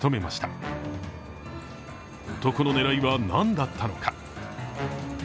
男の狙いは何だったのか。